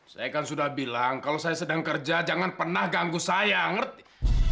saya kan sudah bilang kalau saya sedang kerja jangan pernah ganggu saya ngerti